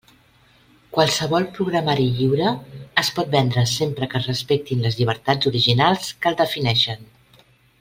Qualsevol programari lliure es pot vendre sempre que es respectin les llibertats originals que el defineixen.